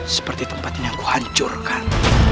seperti tempat ini yang kuhancurkan